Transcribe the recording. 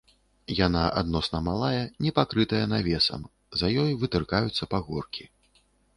Яна адносна малая, не пакрытая навесам, за ёй вытыркаюцца пагоркі.